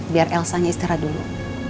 biar elsa nyistirah dulu